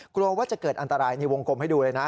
กลัวว่าจะเกิดอันตรายในวงกลมให้ดูเลยนะ